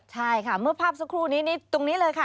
ใช่ค่ะเมื่อภาพสักครู่นี้ตรงนี้เลยค่ะ